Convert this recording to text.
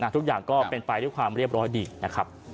ทุกอย่างก็เป็นไปด้วยความเรียบร้อยดีนะครับ